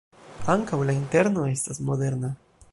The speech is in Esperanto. Ankaŭ la interno estas moderna.